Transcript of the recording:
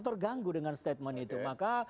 terganggu dengan statement itu maka